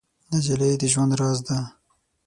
نجلۍ د ژوند راز ده.